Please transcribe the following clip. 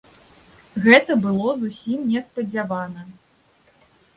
Гэта было зусім неспадзявана.